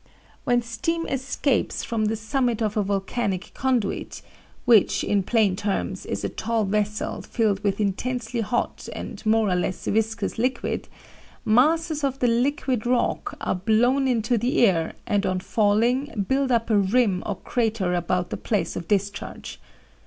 "When steam escapes from the summit of a volcanic conduit which, in plain terms, is a tall vessel filled with intensely hot and more or less viscous liquid masses of the liquid rock are blown into the air, and on falling build up a rim or crater about the place of discharge.